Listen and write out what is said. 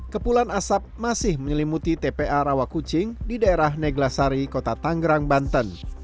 kepulan asap masih menyelimuti tpa rawakucing di daerah neglasari kota tanggerang banten